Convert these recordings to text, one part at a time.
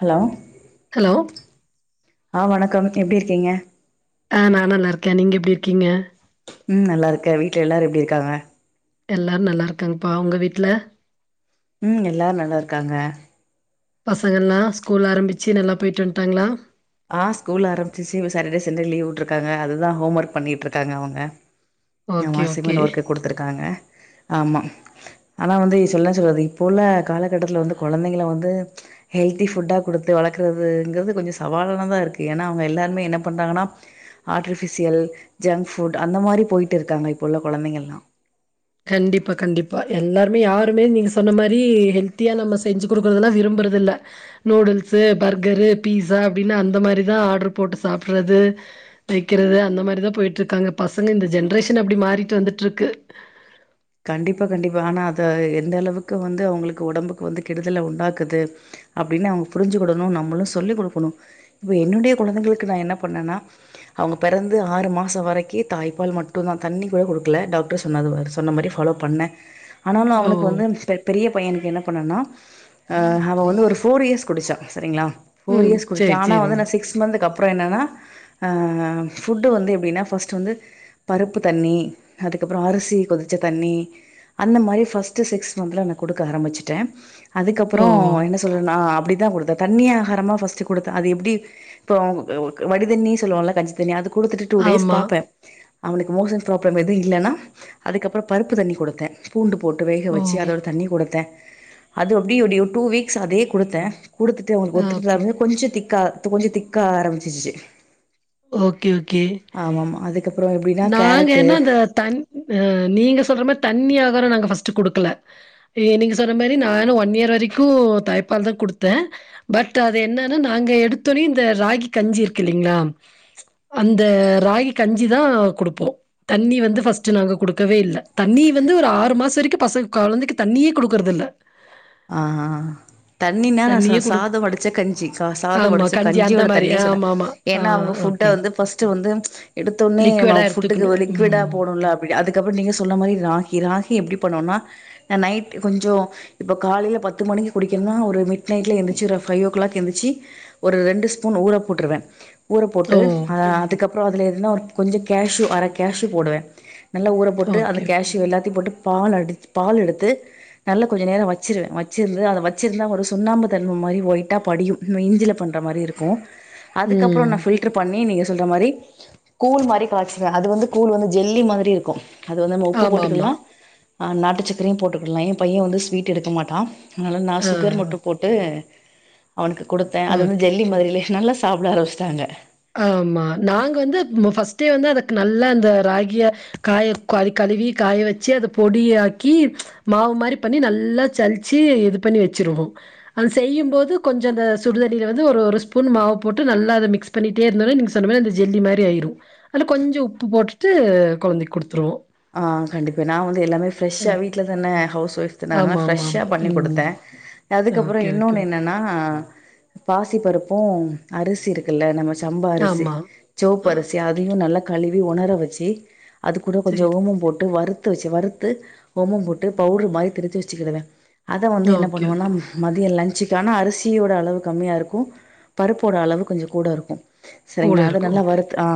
Hello hello ஆ வணக்கோ வணக்கோ எப்டி இருக்கீங்க ஆ நா நல்லாருக்கேன் நீங்க எப்டி இருக்கீங்க ம் நல்லாருக்க வீட்ல எல்லாரு எப்டி இருக்காங்க எல்லாரு நல்லாருக்காங்கப்பா உங்க வீட்ல ம் எல்லாரு நல்லாருக்காங்க பசங்கள்லா ஸ்கூல் ஆரம்பிச்சி நல்லா போய்ட்டு வந்ட்டாங்ளா ஆ ஸ்கூல் ஆரமிச்சு சிவு சாட்டர்டே சண்டே லீவ் உட்ருக்காங்க அதுதா ஹோம் ஒர்க் பண்ணிட்ருக்காங்க அவுங்க ஓகே ஓகே வாசிமல் ஒர்க்கு குடுத்துருக்காங்க ஆமா ஆனா வந்து சொல்ற சொல்லாத இப்போ உள்ள காலகட்டத்துல வந்து கொழந்தைங்கள வந்து ஹெல்தி ஃபுட்டா குடுத்து வளர்க்கறதுங்கிறது கொஞ்சோ சவாலானதா இருக்கு எனா அவுங்க எல்லாருமே என்ன பண்றாங்கன்னா ஆர்டிபிஷியல் ஜங்க் ஃபுட் அந்த மாரி போய்ட்டு இருக்காங்க இப்போ உள்ள கொழந்தைங்கள்லா கண்டிப்பா கண்டிப்பா எல்லாருமே யாருமே நீங்கள் சொன்ன மாரி ஹெல்த்தியா நம்ம செஞ்சு குடுக்கறதுலா விரும்புறதில்ல நூடுல்ஸு பர்கரு பீஸா அப்டின்னு அந்த மாரிதா ஆட்ரு போட்டு சாப்புட்றது வெக்கிறது அந்த மாரிதா போய்ட்ருக்காங்க பசங்க இந்த ஜென்ரேஷன் அப்டி மாறிட்டு வந்துட்ருக்கு கண்டிப்பா கண்டிப்பா ஆனா அத எந்த அளவுக்கு வந்து அவுங்களுக்கு ஒடம்புக்கு வந்து கெடுதல உண்டாக்குது அப்டின்னு அவுங்க புரிஞ்சுக்கொடணு நம்மளு சொல்லிக்குடுக்கணு இப்ப என்னுடைய கொழந்தைகளுக்கு நா என்ன பண்ணேன்னா அவங்க பெறந்து ஆறு மாசோ வரிக்கு தாய்ப்பால் மட்டுதா தண்ணிகூட குடுக்கல டாக்டர் சொன்னது வர் சொன்ன மாரி ஃபாலோ பண்ண ஆனாலு ஓ அவனுக் வந்து பெரிய பையனுக்கு என்ன பண்ணன்னா அ அவ வந்து ஒரு ஃபோர் இயர்ஸ் குடிச்சா செரிங்ளா ஃபோர் ம் இயர்ஸ் குடிச்சா சேரி ஆனா வந்து சேரிங்க நா சிக்ஸ் மந்த்துக்கு அப்புறோ என்னன்னா ஆ ஃபுட்டு வந்து எப்டின்னா ஃபஸ்ட்டு வந்து பருப்பு தண்ணி அதுக்கப்புறோ அரிசி கொதி ச தண்ணி அந்த மாரி ஃபஸ்ட்டு சிக்ஸ் மந்த்துல நா குடுக்க ஆரம்பிச்சுட்டே அதுக்கப்பறோ ஓ என்ன சொல்றே நா அப்டித்தா குடுத்தே தண்ணி ஆகாரமா ஃபஸ்ட்டு குடுத்த அது எப்டி இப்போ அவுங்க வடிதண்ணி சொல்லுவோல கஞ்சி தண்ணி அது குடுத்துட்டு டூ டேஸ் ஆமா பாப்பே அவனுக்கு மோசன் ப்ராப்ளம் எது இல்லன்னா அதுக்கப்றோ பருப்பு தண்ணி குடுத்தே பூண்டு போட்டு வேக ஓ வெச்சு அதோட தண்ணி குடுத்தே அது அப்டி அப்டி ஒரு டூ வீக்ஸ் அதே குடுத்தே குடுத்துட்டு அவுனுக்கு ஒத்துக்குதா ஓகே அப்டினு கொஞ்சோ திக்கா கொஞ்சோ திக் கா ஆரம்பிச்சுருச்சி ஓகே ஓகே ஆமாம்மா அதுக்கப்றோ எப்டின்னா கேரட்டு தண் அ நீங்க சொல்ற மாரி தண்ணி ஆகாரோ நாங்க பஸ்ட்டு குடுக்கல ஏ நீங்க சொன்ன மாரி நானு ஒன் இயர் வரைக்கு தாய்ப்பால் தா குடுத்த பட் அது என்னனா நாங்க எடுத்தொனே இந்த ராகி கஞ்சி இருக்கில்லிங்ளா அந்த ராகி கஞ்சிதா குடுப்போ தண்ணி வந்து ஃபர்ஸ்ட்டு நாங்க குடுக்கவே இல்ல தண்ணி வந்து ஒரு ஆறு மாச வரைக்கு பசங்க கொழந்திக்கு தண்ணியே குடுக்கறதில்ல ஆ ஆ தண்ணினா நா ச தண்ணியே குடுக் சாத வடிச்ச கஞ்சி ச சாத ஆமா வடிச்ச கஞ்சி அந்த கஞ்சியோட மாரி. தண்ணி சொன்ன ஆமாமா. ஆ ஏன்னா அவங்க ஃபுட்ட ஓகே. வந்து ஃபஸ்ட்டு வந்து எடுத்தொன்னே லிக்விடா நம்ம ஃபுட்டுக்கு எடுத்துக்கணும். லிக்விடா ம். போனுல்ல அப் அதுக்கப்றோ நீங்க சொன்ன மாரி ராகி ராகி எப்டி பண்ணோன்னா அ நைட்டு கொஞ்சோ இப்ப காலேல பத்து மணிக்கு குடிக்கின்னா ஒரு மிட்நைட்ல எந்திர்ச்சி ஒர் ஃபைவோ கிளாக் எந்திர்ச்சி ஒரு ரெண்டு ஸ்பூன் ஊற போட்ருவே ஊற போட்டு ஓ! அ அதுக்கப் அப்றோ அதுல எதுனா ஒரு கொஞ்சோ கேஷு அர கேஷு போடுவே நல்லா ஊற போட்டு அந்த ஓகே. கேஷு எல்லாத்தியு போட்டு பால் அடி பால் எடுத்து நல்லா கொஞ்ச நேரோ வச் ச்சிருவே வச்சிருந்து அத வச்சிருந்த ஒரு சுண்ணாம்பு தன்ம மாரி ஒய்ட்டா படியு நம்ம இஞ்சில பண்ற மாரி இருக்கு அதுக்கப்பறோ ம். நா ஃபில் ட்ரு பண்ணி நீங்க சொல்ற மாரி கூழ் மாரி காச்சுவ அது வந்து கூழ் வந்து ஜெல்லி மாதிரி இருக்கு அது வந்து நம்ம உப்பு ஆமாமா. போட்டுகல்லா அ நாட்டுச்சக்கரையு போட்டுகல்லா என் பைய வந்து ஸ்வீட் எடுக்க மாட்டா அதனால நா ஆ சுகர் மட்டு போட்டு அவனுக்கு குடுத்தே அது ஓகே. வந்து ஜெல்லி மாதிரில நல்லா சாப்ட ஆரமிச்டாங்க ஆமா நாங்க வந்து ம் ஃபர்ஸ்ட்டே வந்து அதக் நல்லா அந்த ராகிய காய கு கழுவி காய வச்சு அத பொடியாக்கி மாவு மாரி பண்ணி நல்லா சல்ச்சு இது பண்ணி வெச்சிருவோ அது செய்யும்போது கொஞ்ச அந்த சுடுதண்ணில வந்து ஒரு ஒரு ஸ்பூன் மாவு போட்டு நல்லா அத மிக்ஸ் பண்ணிட்டே இருந்தோனா நீங்க சொன்ன மாரிஅந்த ஜெல்லி மாரி ஆய்ரு அல கொஞ்சஉப்பு போட்டுட்டு கொழந்தைக் குடுத்துருவோ ஆ கண்டிப்பா நா வந்து எல்லாமே ஃப்ரெஷ்ஷா வீட்ல தான ஹவ்ஸ் ஒய்ஃப் அதனாலா ஆமா, ஆமா, ஃப்ரெஷ்ஷா ஆமா. பண்ணி ம். குடுத்தே அதுக்கப்பறோ ஓகே, ஓகே, இன்னோன்னு ஓகே. என்னென்னா பாசி பருப்பு அரிசிருக் க்குல்ல நம்ம சம்பா அரிசி ஆமா. சொவ்ப் ஆ, அரிசி அதியு நல்ல கழுவி வொணர வெச்சி அது கூடோ கொஞ்சோ சரி. ஓமம் போட்டு வறுத்து வெச்சு வறுத்து ஓமம் போட்டு பவ்ட்ரு மாரி திருச்சு வெச்சுக்கிடுவே அத வந்து என்ன ஓகே, பண்ணுவன்னா ஓகே. ம் மதிய லன்ச்சுக்கானா அரிசியோட அளவு கம்மியா இருக்கு பருப்போட அளவு கொஞ்சோ கூடருக்கு கூட செரிங்ளா அது இருக்கும். நல்லா ஓகே. வருத் ஆ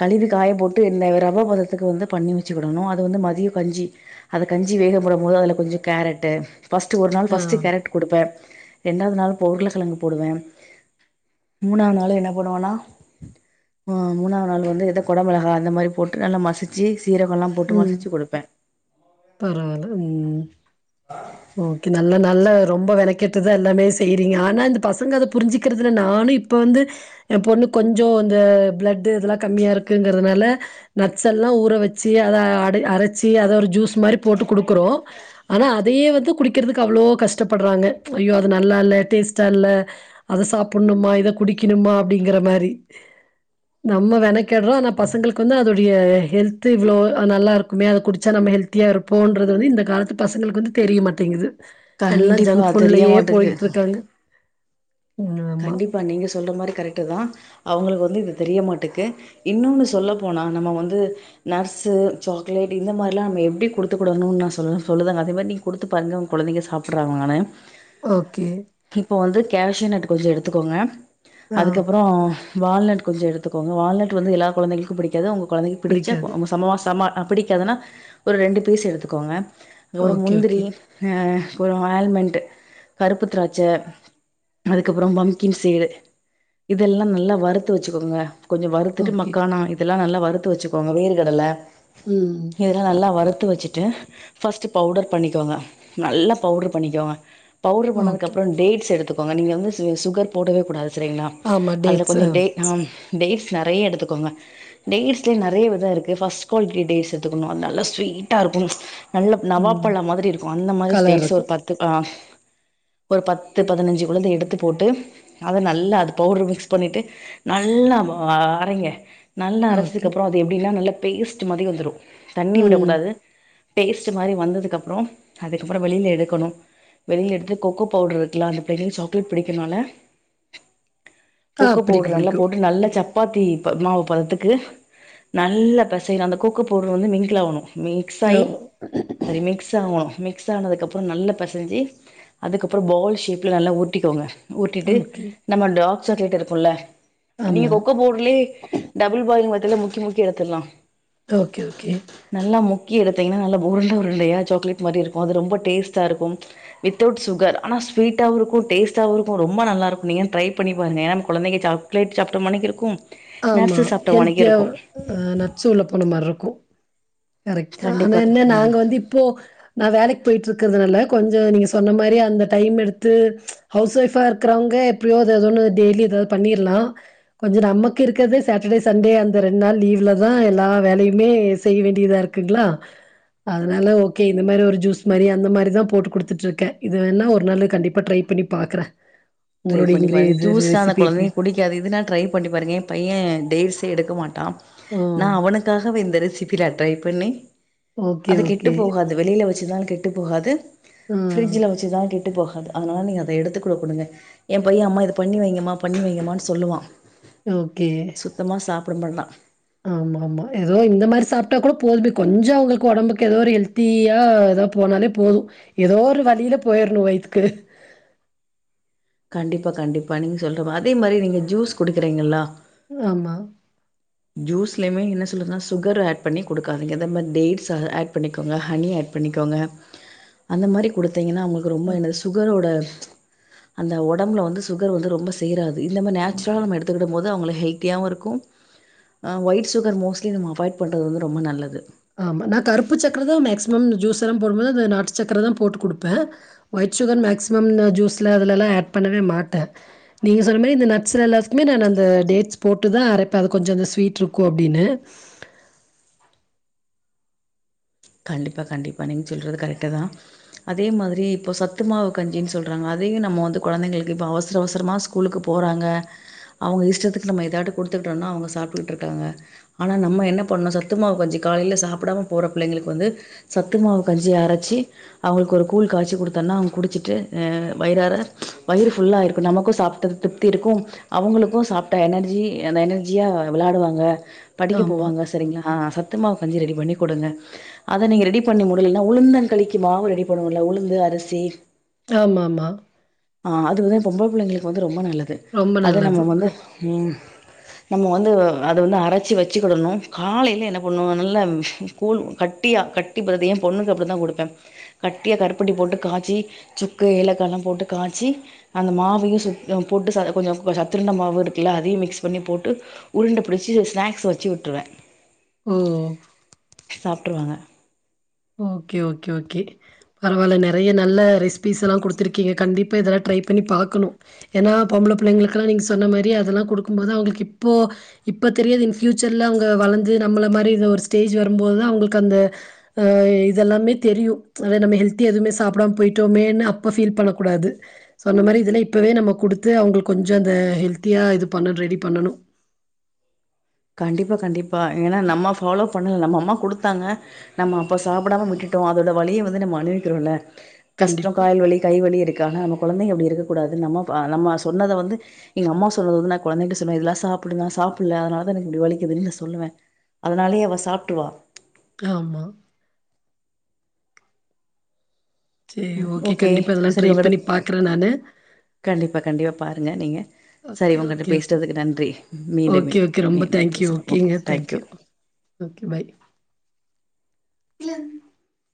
கழுவி காய போட்டு இந்த ரவ பதத் துக்கு வந்து பண்ணி வெச்சுகடணு அது வந்து மதிய கஞ்சி அத கஞ்சி வேக போடும்போது அதுல கொஞ்ச கேரட்டு ஃபஸ்ட்டு ஒரு நாள் ஆ. ஃபஸ்ட்டு கேரட் குடுப்பே ரெண்டாவுது நாள் பவ் உருள கெழங்கு போடுவே மூணாது நாளு என்ன பண்ணுவனா அ மூணாது நாள் வந்து இத கொடமொளகா அந்த மாரி போட்டு நல்லா மசிச்சி சீரகோலா போட்டு ம். மசிச்சி குடுப்பே பரவால்ல ம் ஓகே நல்லா நல்ல ரொம்ப மெனக்கெட்டுதா எல்லாமே செய்றீங்க ஆனா இந்த பசங்க அத புரிஞ்சுக்றதுல நானு இப் இப்போ வந்து என் பொண்ணுக் கொஞ்சோ இந்த ப்ளட்டு இதெல்லா கம்மியாக இருக்குங்றனால நட்ஸெல்லா ஊற வெச்சு அத அட அரச்சி அத ஒரு ஜூஸ் மாரி போட்டு குடுக்குறோ ஆனா அதயே வந்து குடிக்றதுக்கு அவ்ளோ கஷ்டப்பட்றாங்க ஐயோ அது நல்லால டேஸ்ட்டால்ல அத சாப்டணுமா இத குடிக்கணுமா அப்டிங்கற மாரி நம்ம மெனக்கெட்றோ ஆனா பசங்களுக்கு வந்து அதோடய ஹெல்த்து இவ்ளோ நல்லா இருக்குமே அத குடிச்சா நம்ம ஹெல் த்தியா இருப்போன்றது வந்து இந்த காலத்து பசங்களுக்கு வந்து தெரிய மாட்டேங்குது எல்லா கண்டிப்பா ஜங்க் தெரிய ஃபுட்லயே மாட்டுக்கு போய்ட்ருக்காங்க உ ஆமா இப்ப நீங்க சொல்ற மாரி கரெக்ட்டு தா அவங்களுக்கு வந்து இது தெரியமாட்டேக்கு இன்னொன்னு சொல்ல போனா நம்ம வந்து நட்ஸு சாக்லேட் இந்த மாரிலா நம்ம எப்டி கொடுத்துக்கடணும்னு நா சொ சொல்லுரேங்க அதே மாரி நீ கொடுத்து பாருங்க உங்க குழந்தைங்க சாப்பிடுறாங்களானு ஓகே இப்போ வந்து கேஷவ் நட்டு கொஞ்சோ எடுத்துக்கோங்க ஆ அதுக்கப்புறோ வால்நட் கொஞ்சோ எடுத்துக்கோங்க வால்நட் வந்து எல்லா குழந்தைளுக்கு பிடிக்காது உங்க குழந்தைக்கு பிடிச்சா பிடிக்காது. செம செம பிடிக்காதுன்னா ஒரு ரெண்டு பீஸ் எடுத்துக்கோங்க ஒரு ஓகே, முந்திரி ஓகே, அ கொஞ்சோ ஆயில்மண்ட் கருப்பு திராட்ச அதுக்கப்புறோ பம்கின் சீடு இதெல்லா நல்லா வறுத்து வச்சுக்கோங்க கொஞ்சோ வறுத்துட்டு ஓகே. மக்கானம் இதெல்லா நல்லா வறுத்து வச்சுக்கோங்க வேறு கடல ம் ம் இதெல்லா நல்லா வறுத்து வச்சுட்டு ஃபர்ஸ்ட் பவுடர் பண்ணிக்கோங்க நல்லா பவுடர் பண்ணிக்கோங்க பவுடர் பண்ணதுக்கு ஓகே. அப்புறோ டேட்ஸ் எடுத்துக்கோங்க நீங்க வந்து சுகர் போடவே கூடாது சரிங்களா ஆமா அதல டேட்ஸ். கொஞ்சோ டே ஆ டேட்ஸ் நிறைய எடுத்துக்கோங்க டேட்ஸ்லயே நிறைய விதோ இருக்கு ஃபர்ஸ்ட் குவாலிட்டி டேட்ஸ் எடுத்துக்கணு அ நல்ல ஸ்வீட்டா இருக்கு நல்லா நவா ம். பழ மாதிரி இருக்கு அந்த மாதிரி கலர் டேட்ஸ ஒரு இருக்கும். பத்து அ ஒரு பத்து பதினஞ்சு உழுந்த எடுத்து போட்டு அத நல்லா அது பவுடரு மிக்ஸ் பண்ணிட்டு நல்லா அரைங்க நல்லா அரைச்சதுக்கு ஓகே. அப்புறோ அது எப்படின்னா நல்ல பேஸ்ட் மாதிரி வந்துடு தண்ணி ம். விடக்கூடாது பேஸ்ட் மாதிரி வந்ததுக்கப்புறோ ஆதுக்கப்புறோ வெளியில எடுக்கணு வெளியில எடுத்து கொக்கோ பவுடர் இருக்குல அந்த பெரிய சாக்லேட் பிடிக்கனால ஆ கொக்கோ பிடிக்கும், பவுடர் நல்லா பிடிக்கும். போட்டு நல்ல சப்ப ம். சப்பாத்தி மாவு பதத்துக்கு நல்ல பெசயணு அந்த கொக்கோ பவுடர் வந்து மிங்கில் ஆகணு ஓ. மிக்ஸாயி சரி மிக்ஸ் ஆகணு மிக்ஸ் ஆனதுக்கு அப்புறோ நல்லா பெசஞ்சு அதுக்கப்புறோ பால் ஷேப் நல்லா ஊத்திக்கோங்க ஊட்டிட்டு ஓகே. நம்ம டார்க்சாக்கலேட் இருக்கும்ல நீங்க ஆமா. கொக்கோ பவுடர்லயே டபுள் பாலிங் பதத்தில முக்கி முக்கி எடத்துடலா ஓகே, ஓகே. நல்லா முக்கி எடுத்தீங்கன்னா நல்லா உருண்டை உருண்டையா சாக்லேட் மாரி இருக்கு அது ரொம்ப டேஸ்ட்டா இருக்கு வித்தவுட் சுகர் ஆனா ஸ்வீட் டா இருக்கு டேஸ்டாவு இருக்கு ரொம்ப நல்லா இருக்கு நீங்க வேணா ட்ரை பண்ணி பாருங்க என்னா குழந்தைங்க சாக்லேட் சாப்ட்ட மாணிக்க இருக்கு ஆமா நட்ஸு சாப்ட்ட மானிக்கு ஹெல்த்தியாவு இருக்கு ஆ நட்ஸு உள்ள போன மாரி இருக்கு கரெக்ட் தா ஆனா கண்டிப்பா என்ன ம் நாங்க வந்து இப்போ நா வேலைக்கு போய்ட்டு இருக்கிறதுனால கொஞ்சோ நீங்க சொன்ன மாரி அந்த டைம் எடுத்து ஹவுஸ் ஒய்ஃபா இருக்கிறவங்க எப்டியோ எதாது ஒன்னு டெய்லி எதாது பண்ணிரலா கொஞ்சோ நமக்கு இருக்குரதே சாட்டர்டே சண்டே அந்த ரெண்டு நாள் லீவ்லதா எல்லா வேலயுமே செய்ய வேண்டியதா இருக்குங்களா அதனால ஓகே இந்த மாரி ஒரு ஜூஸ் மாரி அந்த மாரிதா போட்டு குடுத்துட்டு இருக்கே இது வேணா ஒரு நாள் கண்டிப்பா ட்ரை பண்ணி பாக்குறே ட்ரை பண்ணி பாரு ஜூஸ் அந்த எப்படி? குழந்தைங்க குடிக்க காது இதுனா ட்ரை பண்ணி பாருங்க பையே டேட்ஸே எடுக்க மாட்டா ஆ. நா அவனுக்கு காகவே இந்த ரெசிபில ட்ரை பண்ணி ஓகே, அது கெட்டு ஓகே. போகாது வெளில வச்சுதா கெட்டு போகாது ஆ. ஃபிரிட்ஜுல வச்சுதான் கெட் டு போகாது அதுனால நீங்க அத எடுத்துக்கூட குடுங்க என் பையன் அம்மா இத பண்ணி வைங்கமா பண்ணி வைங்கமான் சொல்லுவான் ஓகே சுத்தம சாப்ட மாட்டான் ஆமா ஆமா எதோ இந்த மாரி சாப்ட்டா கூட போதுமே கொஞ்சோ அவுங்ளுக்கு ஒடம்புக்கு எதோ ஒரு ஹெல்த்தீயா எதோ போனாலே போது எதோ ஒரு வழியில போய்ர்ணு வயித்துக்கு கண்டிப்பா கண்டிப்பா நீங்க சொல்றமா அதே மாரி நீங்க ஜூஸ் குடுக்குறீங்களா ஆமா ஜூஸ்லமே என்ன சொல்றதுனா சுகர் ஆட் பண்ணி குடுக்காதீங்க அத மாரி டேட்ஸ ஆட் பண்ணிக்கோங்க ஹனி ஆட் பண்ணிக்கோங்க அந்த மாரி குடுத்தீங்கனா அவ்ங்ளுக்கு ரொம்ப இந்த சுகரோட அந்த ஒடம்புல வந்து சுகர் வந்து ரொம்ப சேராது இந்த மாரி நேச்சுரலா நம்ம எடுத்துக்கிடும்போது அவுங்கள ஹெல்த்தியாவு இருக்கு ஆ ஒயிட் சுகர் மோஸ்ட்லி நம்ம அவாய்ட் பண்றது வந்து ரொம்ப நல்லது ஆமா நா கருப்பு சக்கர தா மேக்சிமம் ஜூஸெலா போடும்போது அந்த நாட்டு சக்கர தா போட்டு குடுப்ப ஒயிட் சுகர் மேக்ஸிமம் நா ஜூஸ்ல அதுலலா ஆட் பண்ணவே மாட்ட நீங்க சொன்ன மாரி இந்த நடஸ்ல எல்லாத்துக்குமே நா அந்த டேட்ஸ் போட்டு தா அரைப்ப அது கொஞ்சோ அந்த ஸ்வீட்ருக்கு அப்டினு கண்டிப்பா கண்டிப்பா நீங்க சொல்றது கரெட்டாதா அதே மாதிரி இப்போ சத்துமாவு கஞ்சின் சொல்றாங்க அதையு நம்ம வந்து கொழந்தைங்களுக்கு இப்ப அவசர அவசரமா ஸ் கூலுக்கு போறாங்க அவுங்க இஷ்டத்துக்கு நம்ம எதாடு குடுத்துக்கிட்டோனா அவுங்க சாப்புடுட்ருக்காங்க ஆனா நம்ம என்ன பண்ணூ சத்துமாவு கஞ்சி காலேல சாப்புடாம போற பிள்ளைங்களுக்கு வந்து சத்து மாவு கஞ்சிய அரச்சி அவுங்குளுக்கு ஒரு கூழ் காச்சி குடுத்தன்னா அவ்ங் குடிச்சிட்டு் அ வயிறார வயிறு ஃபுல்லா ஆயிருக்கு நமக்கு சாப்ட்டது திருப் த்தி இருக்கு அவுங்களுக்கு சாப்ட்ட எனர்ஜி அந்த எனர்ஜியா விளாடுவாங்க படிக்க ஆமா, போவாங்க சரிங்ளா சத்து மாவு ‌கஞ்சி ரெடி பண்ணி குடுங்க அத நீங்க ரெடி பண்ணி முடுலுன்னா உளுந்தன் களிக்கு மாவு ரெடி பண்ணுவோல உளுந்து அரிசி ஆமாம்மா ஆ அது வந்து பொம்பள புள்ளைங்களுக்கு வந்து ரொம்ப நல்லது ரொம்ப அத நல்லது. நம்ம வந்து ம் நம்ம வந்து அத வந்து அரச்சி வச்சுக்கிடணு காலைல என்ன பண்ணூ நல்ல கூழ் கட்டியா கட்டி பாதி ஏன் பொண்ணுக்கு அப்டிதா குடுப்ப கட்டியா கருப்பட்டி போட்டு காய்ச்சி சுக்கு ஏலக்காலா போட்டு காச்சி அந்த மாவையு சுத்தண்ணி போட்டு ச கொஞ்சோ சத்துருண்ட மாவு இருக்குல அதையு மிக்ஸ் பண்ணி போட்டு உருண்ட புடிச்சு ஸ்நாக்ஸ் வச்சு உட்ருவ ம் சாப்ட்ருவாங்க ஓகே ஓகே ஓகே பரவால்ல நெறைய நல்ல ரெசிபீஸெலா குடுத்துருக்கீங்க கண்டிப் பா இதலா ட்ரை பண்ணி பாக்கணு ஏனா பொம்பள பிள்ளைங்குளுக்கா நீங்க சொன்ன மாரி அதலா குடுக்கும் போது அவ்ங்ளுக் இப்போ இப்ப தெரியாது இன் ஃபியூச்சர்ல அவங்க வளந்து நம்மள மாரி இந்த ஒரு ஸ்டேஜு வரும்போதுதா அவுங்ளுக் அந்த ஆ இதெல்லாமே தெரியு அதே நம்ம ஹெல்த்தியா எதுமே சாப்டாம போய்ட்டோமேனு அப்போ ஃபீல் பண்ணக்கூடாது சொன்ன மாரி இதலா இப்போவே நம்ம குடுத்து அவுங்ளுக் கொஞ்சோ அந்த ஹெல்த்தியா இது பண்ண ரெடி பண்ணணு கண்டிப்பா கண்டிப்பா ஏனா நம்ம ஃபாலோ பண்ணல நம்ம அம்மா குடுத்தாங்க நம்ம அப்ப சாப்புடாம விட்டுட்டோ அதோட வலிய வந்து நம்ம அனுவிக்குறோல கஷ்டோ கண்டிப்பா. கால் வலி கைவலி இருக்கான நம்மோ கொழந்தைங்க அப்டி இருக்ககூடாது நம்மோ அ நம்ம சொன்னத வந்து எங்க அம்மா சொன்னது வந்து நா கொழந்தைக்கு சொல்வே இதுலா சாப்புடு நா சாப்புல அதுனால அதா எனக்கு இப்டி வலிக்குதுன் நா சொல்லுவே அதனாலயே அவ சாப்ட்ருவா ஆமா சரி ம் ஓகே கண்டிப்பா இதெல்லாம் சரி ட்ரை உங்கிட்ட பண்ணி பாக்குறேன் நானு. கண்டிப்பா கண்டிப்பா பாருங்க நீங்க சரி ஓகே, உங்கிட்ட ஓகே, ஓகே. பேசுறதுக்கு நன்றி மீண்டும் ஓகே, ஓகே. ரொம்ப மீண்டும் தேங்க்யூ. பேசுலாம் ஓகே ஓகேங்க. தேங்க்யூ ஓகே பாய் [unintelligible]